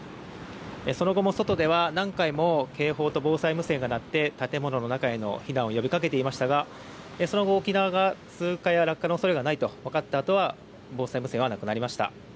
その後も外では、何回も警報と防災無線が鳴って、建物の中への避難を呼びかけていましたが、その後、沖縄が通過や落下のおそれがないと分かったあとは、防災無線はなくなりました。